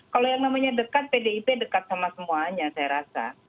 kalau yang namanya dekat pdip dekat sama semuanya saya rasa